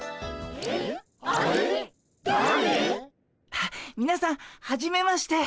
あっみなさんはじめまして。